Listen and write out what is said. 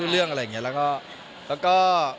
แล้วก็